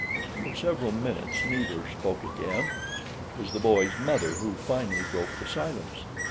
For several minutes neither spoke again. It was the boy's mother who finally broke the silence.